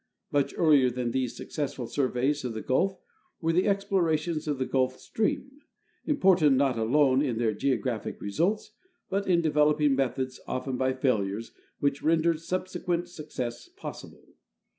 Much earlier than these successful surveys of the Gulf were the explorations of the Gulf Stream, important not alone in their geographic results, but in developing methods, often by failures, which rendered subse quent success possible.